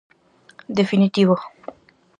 Definitivo.